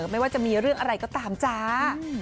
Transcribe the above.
ไม่ว่าจะมีเรื่องอะไรก็ตามจ้า